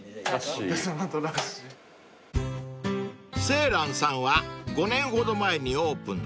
［青藍さんは５年ほど前にオープン］